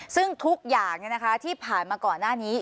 ซึ่งทุกอย่างเนี่ยนะคะที่ผ่านมาก่อนหน้านี้